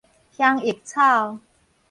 香浴草